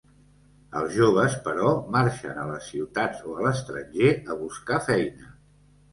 Els joves, però, marxen a les ciutats o a l'estranger a buscar feina.